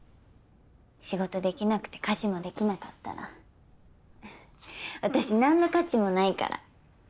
仕事できなくて家事もできなかったら私何の価値もないから。